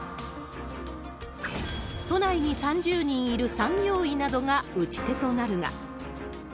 都内に３０人いる産業医などが打ち手となるが。